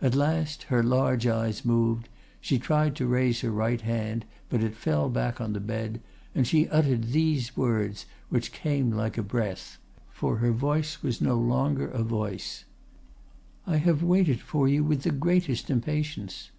At last her large eyes moved; she tried to raise her right hand, but it fell back on the bed, and she uttered these words, which came like a breath, for her voice was no longer a voice: "I have waited for you with the greatest impatience."